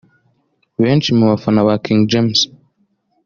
Benshi mu bafana ba King James